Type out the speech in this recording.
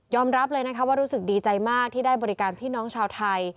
รับเลยนะคะว่ารู้สึกดีใจมากที่ได้บริการพี่น้องชาวไทย